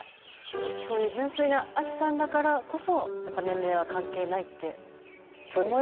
そういう純粋なアキさんだからこそやっぱ年齢は関係ないって。